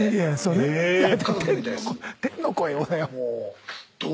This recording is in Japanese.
天の声をだよ。